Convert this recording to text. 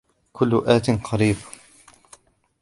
كل آت قريب